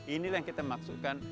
inilah yang kita maksudkan